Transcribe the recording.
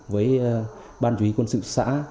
với ban chú ý quân sự xã